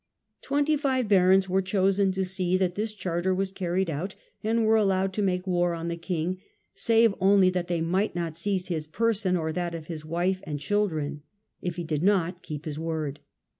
Twenty five barons were chosen to see that this charter was carried out, and were allowed to make war on the king (save only that they might not seize his person, or that of his wife and children) if he did not keep his word.